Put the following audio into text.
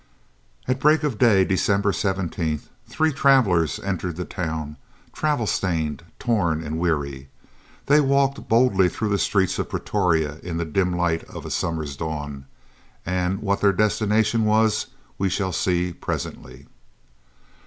At break of day December 17th three travellers entered the town, travel stained, torn, and weary. They walked boldly through the streets of Pretoria in the dim light of a summer's dawn, and what their destination was we shall see presently.